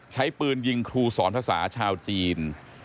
ใช้ปืนยิงครูสอนภาษาชาวจีน